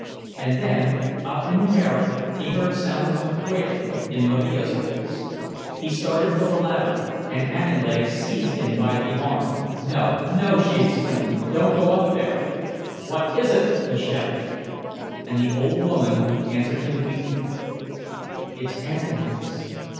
And then, up in the garret, he heard sounds of wailing, in Marija's voice. He started for the ladder—and Aniele seized him by the arm. "No, no!" she exclaimed. "Don't go up there!" "What is it?" he shouted. And the old woman answered him weakly: "It's Antanas.